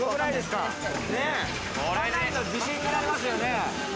かなりの自信になりますよね。